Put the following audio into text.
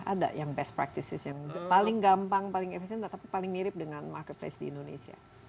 ada yang best practices yang paling gampang paling efisien tetapi paling mirip dengan marketplace di indonesia